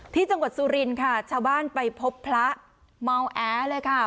ที่จังหวัดสุรินค่ะชาวบ้านไปพบพระเมาแอเลยค่ะ